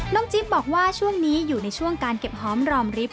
จิ๊บบอกว่าช่วงนี้อยู่ในช่วงการเก็บหอมรอมริบ